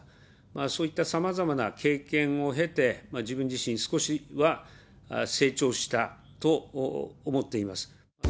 そういったさまざまな経験を経て、自分自身、少しは成長したと思っています。